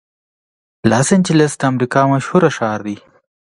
لاس انجلس د امریکا مشهور ښار دی.